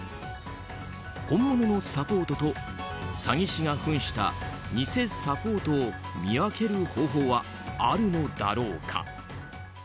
本物のサポートと詐欺師が扮した偽サポートを見分ける方法はあるのだろうか。